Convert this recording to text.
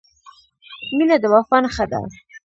• مینه د وفا نښه ده.